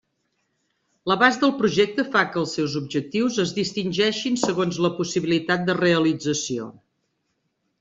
L'abast del projecte fa que els seus objectius es distingeixin segons la possibilitat de realització.